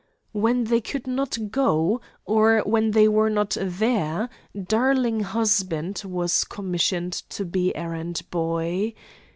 When they could not go, or when they were not there, 'darling husband' was commissioned to be errand boy.